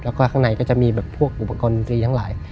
แล้วข้างในก็จะมีพวกอุปกรณีทั้งหลาย